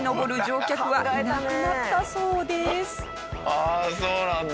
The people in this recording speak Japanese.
ああそうなんだ。